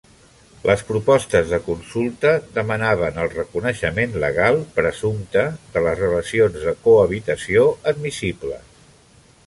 Les propostes de consulta demanaven el reconeixement legal "presumpte" de les relacions de cohabitació "admissibles".